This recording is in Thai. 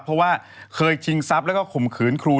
เพราะว่าเคยชิงทรัพย์แล้วก็ข่มขืนครู